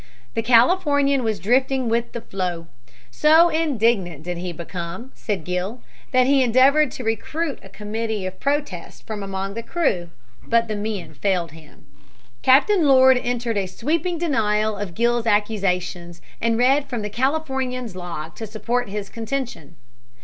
The Californian was drifting with the floe. So indignant did he become, said Gill, that he endeavored to recruit a committee of protest from among the crew, but the men failed him. Captain Lord entered a sweeping denial of Gill's accusations and read from the Californian's log to support his contention.